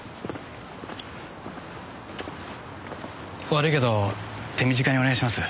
悪いけど手短にお願いします。